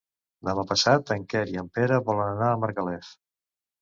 Demà passat en Quer i en Pere volen anar a Margalef.